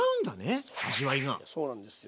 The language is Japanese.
そうなんですよ。